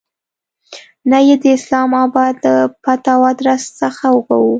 نه یې د اسلام آباد له پته او آدرس څخه کوو.